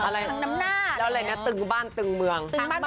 พระอิสาหรรฟังภาษาเหนือ